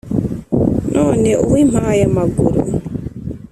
none uw’ impayamaguru